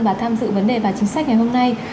và tham dự vấn đề và chính sách ngày hôm nay